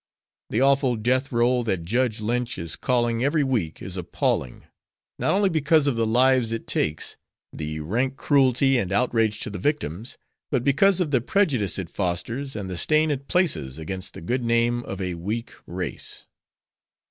The awful death roll that Judge Lynch is calling every week is appalling, not only because of the lives it takes, the rank cruelty and outrage to the victims, but because of the prejudice it fosters and the stain it places against the good name of a weak race.